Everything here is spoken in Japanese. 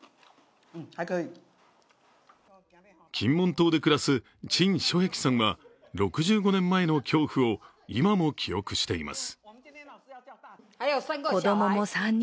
金門島で暮らす陳書壁さんは６５年前の恐怖を今も記憶しています。